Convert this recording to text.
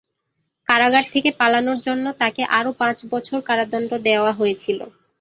কারাগার থেকে পালানোর জন্য তাকে আরও পাঁচ বছর কারাদণ্ড দেওয়া হয়েছিল।